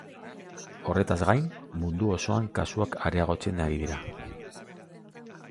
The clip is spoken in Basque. Horretaz gain, mundu osoan kasuak areagotzen ari dira.